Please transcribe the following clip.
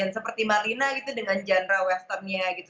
seperti malina gitu dengan genre westernnya gitu